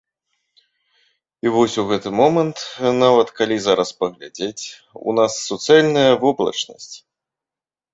І вось у гэты момант, нават калі зараз паглядзець, у нас суцэльная воблачнасць.